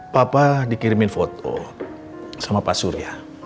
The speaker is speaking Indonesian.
papa dikirimin foto sama pak surya